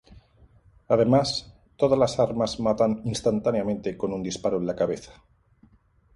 Además, todas las armas matan instantáneamente con un disparo en la cabeza.